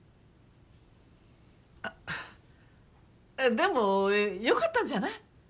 でもよかったんじゃない？